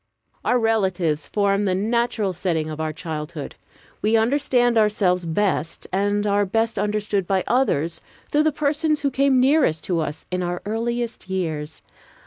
Our relatives form the natural setting of our childhood. We understand ourselves best and are best understood by others through the persons who came nearest to us in our earliest years.